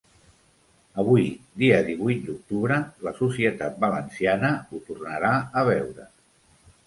Avui, dia divuit d’octubre, la societat valenciana ho tornarà a veure.